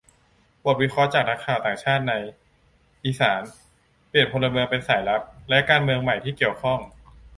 บทวิเคราะห์จากนักข่าวต่างชาติในอีสาน : เปลี่ยนพลเมืองเป็นสายลับ และการเมืองใหม่ที่ข้องเกี่ยว